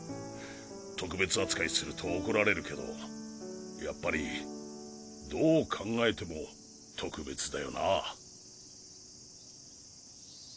特別扱いすると怒られるけどやっぱりどう考えても特別だよな。